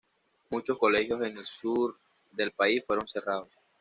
Muchos colegios en el del sur del país fueron cerrados.